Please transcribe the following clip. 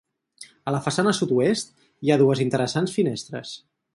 A la façana sud-oest hi ha dues interessants finestres.